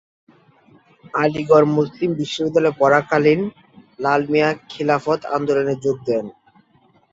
আলীগড় মুসলিম বিশ্ববিদ্যালয়ে পড়াকালীন লাল মিয়া খিলাফত আন্দোলনে যোগ দেন।